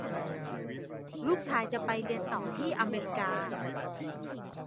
ลูกชายจะไปเรียนต่อที่อเมริกา